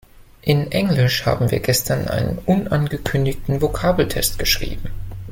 In Englisch haben wir gestern einen unangekündigten Vokabeltest geschrieben.